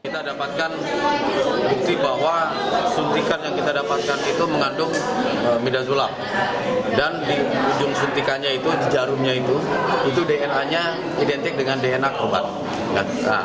tersangka hanya identik dengan dna korban